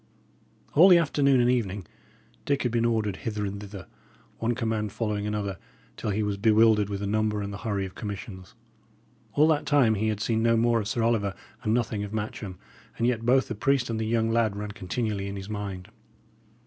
All the afternoon and evening, Dick had been ordered hither and thither, one command following another, till he was bewildered with the number and the hurry of commissions. All that time he had seen no more of Sir Oliver, and nothing of Matcham; and yet both the priest and the young lad ran continually in his mind.